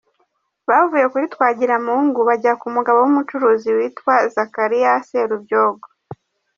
Bavuye kuri Twagiramungu bajya ku mugabo w’umucuruzi witwa Zacharia Serubyogo “.